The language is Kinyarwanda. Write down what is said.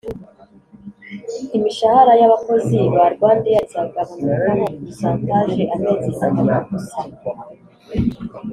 imishahara y’abakozi ba rwandair izagabanukaho % amezi atatu gusa